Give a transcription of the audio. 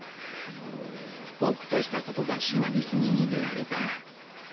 「僕としたことがシマリスに逃げられた」。